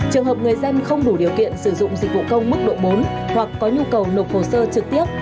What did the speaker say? trường hợp người dân không đủ điều kiện sử dụng dịch vụ công mức độ bốn hoặc có nhu cầu nộp hồ sơ trực tiếp